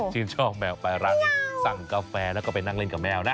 ชื่นชอบแมวไปร้านนี้สั่งกาแฟแล้วก็ไปนั่งเล่นกับแมวนะ